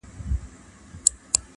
د مرګ تر ورځي دغه داستان دی -